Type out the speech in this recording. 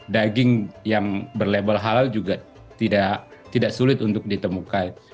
daging yang berlabel halal juga tidak sulit untuk ditemukan